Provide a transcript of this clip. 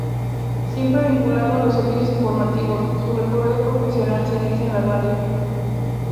Siempre vinculado a los servicios informativos, su recorrido profesional se inicia en la radio.